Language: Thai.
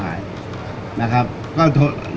การสำรรค์ของเจ้าชอบใช่